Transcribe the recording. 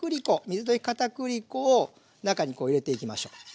水溶きかたくり粉を中にこう入れていきましょう。